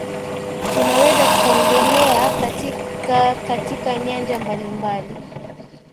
tunaweza tukaongelea katika katika nyanja mbalimbali